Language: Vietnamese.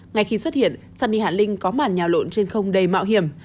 ngày khi xuất hiện suni hạ linh có màn nhào lộn trên không đầy mạo hiểm